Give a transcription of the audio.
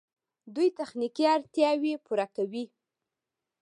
دوی تخنیکي اړتیاوې پوره کوي.